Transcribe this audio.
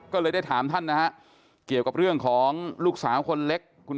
ก็เลยได้ถามท่านนะฮะเกี่ยวกับเรื่องของลูกสาวคนเล็ก